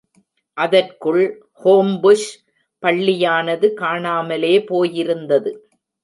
அதற்குள் ஹோம்புஷ் பள்ளியானது காணாமலே போயிருந்தது.